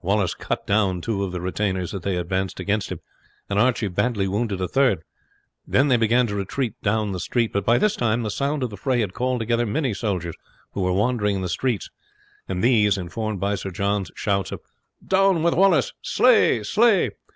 Wallace cut down two of the retainers as they advanced against them, and Archie badly wounded a third. Then they began to retreat down the street; but by this time the sound of the fray had called together many soldiers who were wandering in the streets; and these, informed by Sir John's shouts of "Down with Wallace! Slay! Slay!"